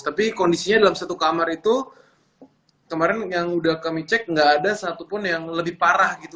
tapi kondisinya dalam satu kamar itu kemarin yang udah kami cek nggak ada satupun yang lebih parah gitu